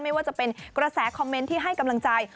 ไม่ว่าจะเป็นกระแสคอมเมนต์ที่ให้กำลังใจ